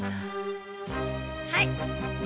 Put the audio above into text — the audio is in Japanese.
はい。